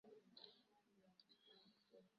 Salamu za marafiki wake zilimfikia